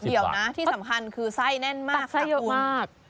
เดี๋ยวนะที่สำคัญคือไส้แน่นมากไส้ตัวมาก